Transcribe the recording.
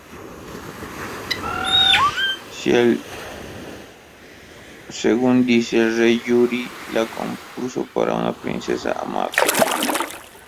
Según dice el rey, Yuri la compuso para una princesa que amaba.